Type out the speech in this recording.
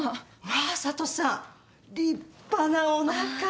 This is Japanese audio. まあ佐都さん立派なおなか。